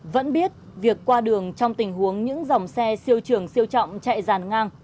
vẫn biết việc qua đường trong tình huống những dòng xe siêu trường siêu trọng chạy dàn ngang